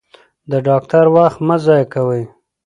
د ډاکټر وخت مه ضایع کوئ.